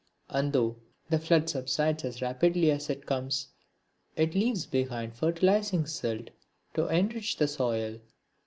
And, though the flood subsides as rapidly as it comes, it leaves behind fertilising silt to enrich the soil.